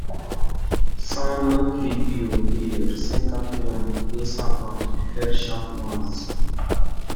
cent neuf rue Guyot Prieur, cinquante et un, deux cent trente, Fère-Champenoise